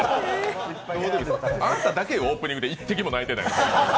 あなただけよ、オープニングで一滴も泣いてないのは。